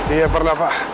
iya pernah pak